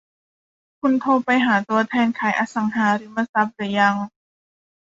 คุณโทรไปหาตัวแทนขายอสังหาริมทรัพย์หรือยัง